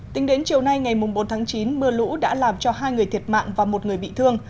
tính đến chiều nay ngày bốn tháng chín mưa lũ đã làm cho hai người thiệt mạng và một người bị thương